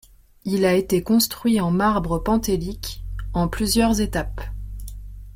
Il a été construit en marbre pentélique, en plusieurs étapes.